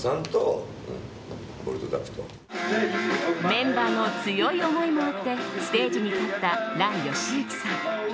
メンバーの強い思いもあってステージに立った嵐ヨシユキさん。